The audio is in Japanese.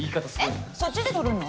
えっそっちで撮るの？